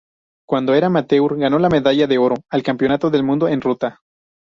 Cuando era amateur ganó la medalla de oro al Campeonato del Mundo en ruta